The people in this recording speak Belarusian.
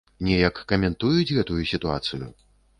Неяк каментуюць гэтую сітуацыю?